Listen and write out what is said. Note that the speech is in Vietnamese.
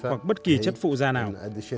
hoặc bất kỳ chất phụ da nào